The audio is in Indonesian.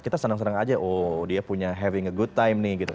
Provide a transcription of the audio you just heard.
kita senang senang aja oh dia punya having a good time nih gitu